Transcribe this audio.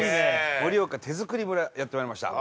盛岡手づくり村やってまいりました